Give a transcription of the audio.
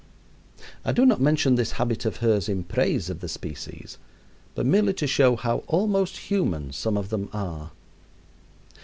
I do not mention this habit of hers in praise of the species, but merely to show how almost human some of them are.